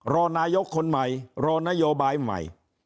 รอนายกคนใหม่รอนโยบายใหม่